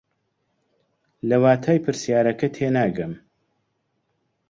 لە واتای پرسیارەکە تێناگەم.